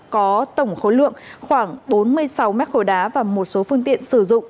có tổng khối lượng khoảng bốn mươi sáu mét khối đá và một số phương tiện sử dụng